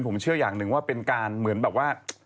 ผมเชื่ออย่างหนึ่งว่าเป็นการเหมือนแบบว่า